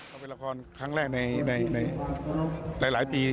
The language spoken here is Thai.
ก็เป็นละครครั้งแรกในหลายปี